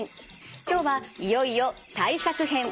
今日はいよいよ対策編。